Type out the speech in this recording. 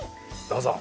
どうぞ。